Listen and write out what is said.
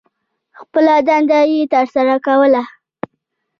خپله دنده یې تر سرہ کوله.